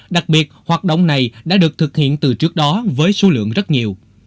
đặc biệt hoạt động này đã được thực hiện từ trước đó với số lượng rất nhiều